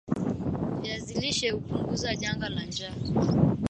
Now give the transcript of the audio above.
Viazi lishe hupunguza janga la njaa